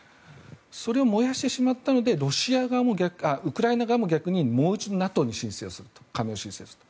それを燃やしてしまったのでウクライナ側も逆にもう一度ＮＡＴＯに加盟申請をすると。